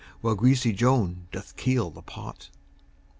While greasy Joan doth keel the pot.